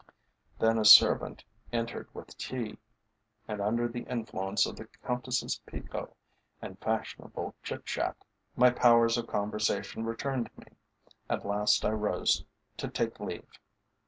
Then a servant entered with tea, and under the influence of the Countess's Pekoe and fashionable chit chat my powers of conversation returned to me. At last I rose to take leave.